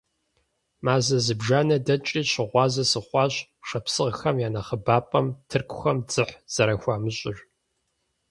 Мазэ зыбжанэ дэкӀри, щыгъуазэ сыхъуащ шапсыгъхэм я нэхъыбапӀэм тыркухэм дзыхь зэрыхуамыщӀыр.